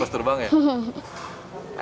pas terbang ya